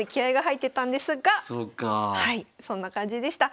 そんな感じでした。